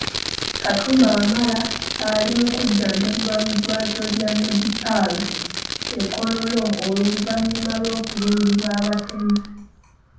Katumba Wamala, ali mu kujjanjjabwa mu ddwaliro lya Medipal e Kololo oluvannyuma lw’okulumbibwa abatemu.